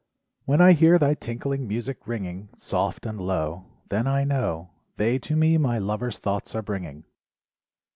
When I hear thy tinkling music ringing Soft and low Then I know They to me my lover's thoughts are bringing.